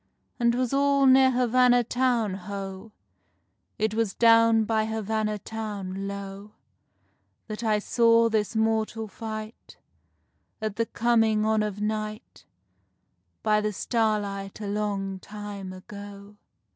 And 'twas all near Havanna town, ho! It was down by Havanna town, low, That I saw this mortal fight, At the coming on of night, By the starlight a long time ago.